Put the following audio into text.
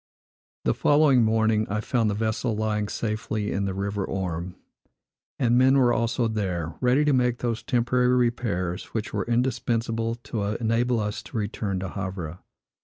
The following morning, I found the vessel lying safely in the river Orme; and men were also there, ready to make those temporary repairs which were indispensable to enable us to return to Havre.